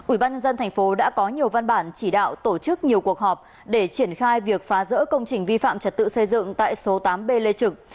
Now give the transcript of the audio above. ủy ban nhân dân thành phố đã có nhiều văn bản chỉ đạo tổ chức nhiều cuộc họp để triển khai việc phá rỡ công trình vi phạm trật tự xây dựng tại số tám b lê trực